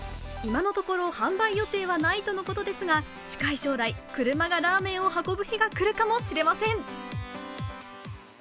今のところ、販売予定はないとのことですが、近い将来、車がラーメンを運ぶ日が来るかもしれません。